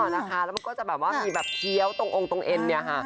แล้วมันก็จะมีแบบเคี้ยวตรงองค์ตรงเอ็น